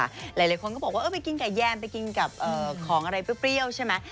หลายคนก็บอกว่าไปกินไก่แยมไปกินกับของอะไรเปรี้ยวใช่ไหม